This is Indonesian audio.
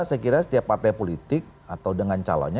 saya kira setiap partai politik atau dengan calonnya